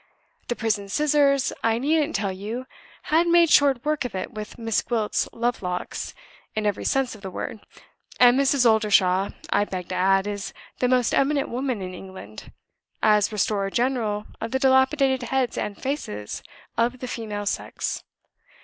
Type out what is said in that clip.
The prison scissors, I needn't tell you, had made short work of it with Miss Gwilt's love locks, in every sense of the word and Mrs. Oldershaw, I beg to add, is the most eminent woman in England, as restorer general of the dilapidated heads and faces of the female sex.